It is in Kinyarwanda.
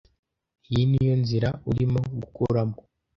"Iyi ni yo nzira urimo gukuramo?"